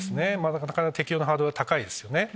なかなか適応のハードルは高いですよね。